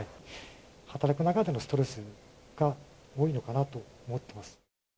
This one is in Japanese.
働く中でのストレスが多いのかなと思ってます。